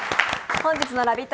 本日のラヴィット！